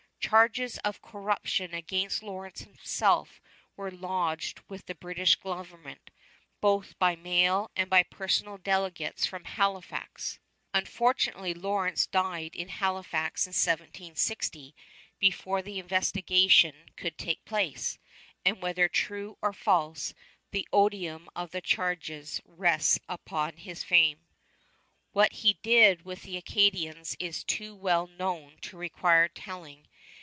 Charges of corruption against Lawrence himself were lodged with the British government both by mail and by personal delegates from Halifax. Unfortunately Lawrence died in Halifax in 1760 before the investigation could take place; and whether true or false, the odium of the charges rests upon his fame. What he did with the Acadians is too well known to require telling.